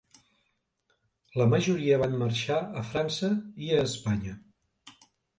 La majoria van marxar a França i a Espanya.